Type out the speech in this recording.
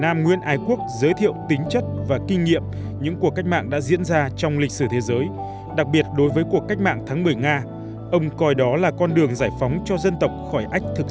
năm mươi năm sau cuộc cách mạng tháng một mươi hồ chí minh nhớ lại